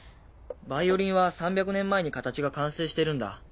バイオリンは３００年前に形が完成してるんだ。